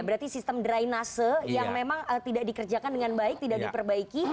berarti sistem drainase yang memang tidak dikerjakan dengan baik tidak diperbaiki